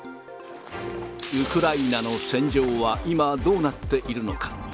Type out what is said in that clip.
ウクライナの戦場は今、どうなっているのか。